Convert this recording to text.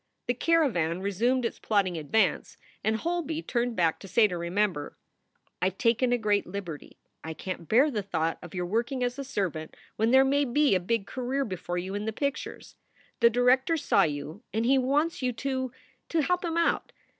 The caravan resumed its plodding advance, and Holby turned back to say to Remember: "I ve taken a great liberty. I can t bear the thought of your working as a servant when there may be a big career before you in the pictures. The director saw you and he wants you to to help him out.